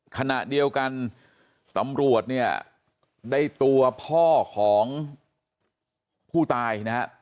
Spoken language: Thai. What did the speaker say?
ขณะเดียวกันตำรวจเนี่ยได้ตัวพ่อของผู้ตายนะฮะ